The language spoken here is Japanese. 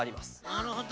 なるほど。